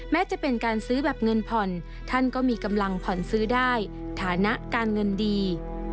แม้จะเป็นการซื้อแบบเงินผ่อนท่านก็มีกำลังผ่อนซื้อได้ฐานะการเงินดี